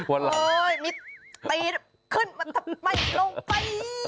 โอ้โหมิตรขึ้นมันทำไมลงไป